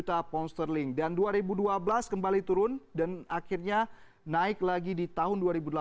mencapai satu ratus tiga puluh lima juta pound sterling dan dua ribu dua belas kembali turun dan akhirnya naik lagi di tahun dua ribu delapan belas